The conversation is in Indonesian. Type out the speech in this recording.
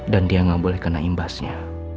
dan dia gak boleh kena imbasnya